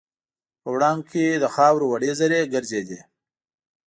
په وړانګو کې د خاوور وړې زرې ګرځېدې.